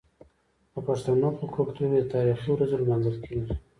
د پښتنو په کلتور کې د تاریخي ورځو لمانځل کیږي.